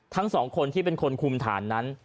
ทั้งสองคนที่เป็นคนคุมฐานนั้น